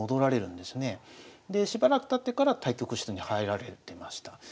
でしばらくたってから対局室に入られてました。